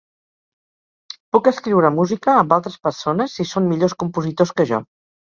Puc escriure música amb altres persones si són millors compositors que jo.